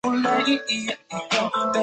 文件访问使用。